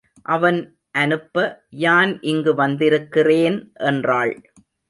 அவன் அனுப்ப யான் இங்கு வந்திருக்கிறேன் என்றாள்.